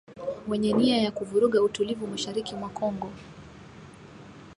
wenye nia ya kuvuruga utulivu mashariki mwa Kongo